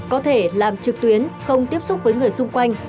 có thể làm trực tuyến không tiếp xúc với người xung quanh